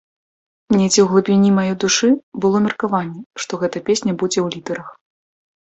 Недзе ў глыбіні маёй душы было меркаванне, што гэта песня будзе ў лідарах.